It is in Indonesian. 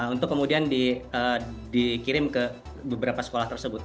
untuk kemudian dikirim ke beberapa sekolah tersebut